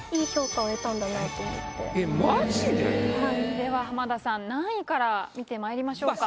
では浜田さん何位から見てまいりましょうか？